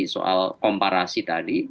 soal komparasi tadi